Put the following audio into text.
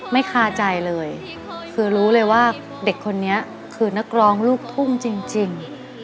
คาใจเลยคือรู้เลยว่าเด็กคนนี้คือนักร้องลูกทุ่งจริง